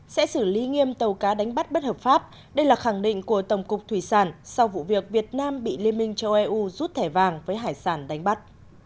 sẽ xử lý nghiêm tàu cá đánh bắt bất hợp pháp đây là khẳng định của tổng cục thủy sản sau vụ việc việt nam bị liên minh châu eu rút thẻ vàng với hải sản đánh bắt